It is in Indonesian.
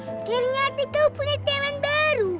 akhirnya kau punya teman baru